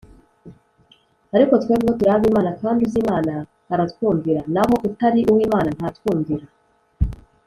Ariko twebweho turi ab’Imana kandi uzi Imana aratwumvira, naho utari uw’Imana ntatwumvira.